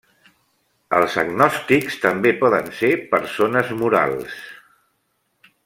Els agnòstics també poden ser persones morals.